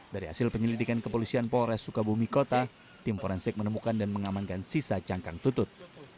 dari hasil penyelidikan kepolisian polres sukabumi kota tim forensik menemukan dan mengamankan sisa cangkang tutut